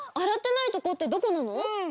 洗ってないところってどこなの？